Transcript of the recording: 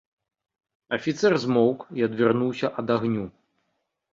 Афіцэр змоўк і адвярнуўся ад агню.